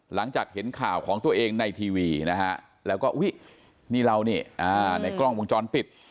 หลังจากเห็นข่าวของตัวเองในทีวีนะฮะแล้วก็อุ๊ยนี่เรานี่ในกล้องวงจรปิด